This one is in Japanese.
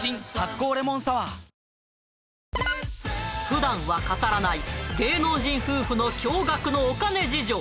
普段は語らない芸能人夫婦の驚がくのお金事情